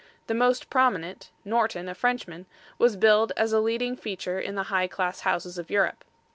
The most prominent, Norton, a Frenchman, was billed as a leading feature in the high class houses of Europe.